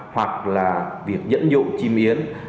hoặc là việc dẫn dụng chim yến